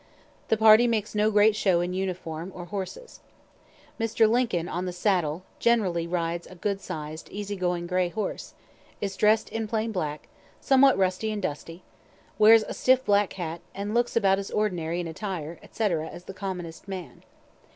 The party makes no great show in uniform or horses. Mr. Lincoln on the saddle generally rides a good sized, easy going gray horse, is dress'd in plain black, somewhat rusty and dusty, wears a black stiff hat, and looks about as ordinary in attire, &c., as the commonest man.